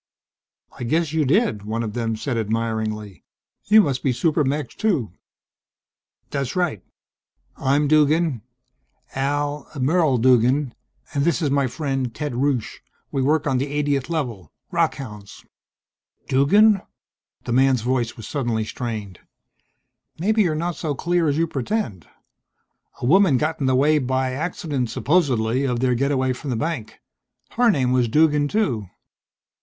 "I guess you did," one of them said, admiringly. "You must be super mechs too?" "That's right. I'm Duggan, Al Merle Duggan, and this is my friend, Ted Rusche. We work on the 80th Level rockhounds." "Duggan?" The man's voice was suddenly strained. "Maybe you're not so clear as you pretend. A woman got in the way by accident, supposedly, of their getaway from the bank. Her name was Duggan too."